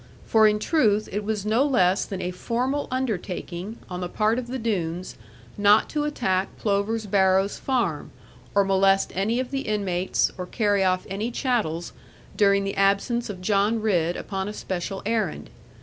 For in truth it was no less than a formal undertaking, on the part of the Doones, not to attack Plover's Barrows farm, or molest any of the inmates, or carry off any chattels, during the absence of John Ridd upon a special errand.